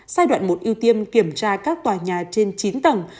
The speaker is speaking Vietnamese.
giai đoạn một ưu tiên kiểm tra các tòa nhà trên chín tầng